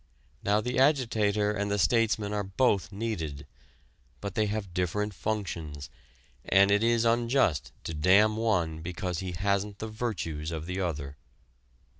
Now the agitator and the statesman are both needed. But they have different functions, and it is unjust to damn one because he hasn't the virtues of the other.